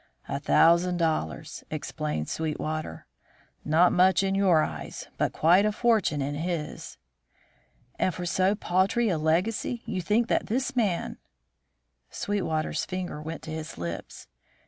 "A thousand dollars," explained Sweetwater. "Not much in your eyes, but quite a fortune in his." "And for so paltry a legacy you think that this man " Sweetwater's finger went to his lips.